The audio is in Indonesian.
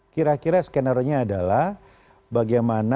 kira kira skenernya adalah bagaimana